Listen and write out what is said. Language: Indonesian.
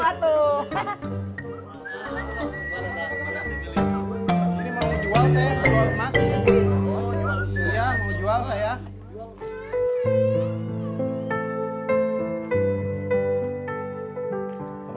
mau jual saya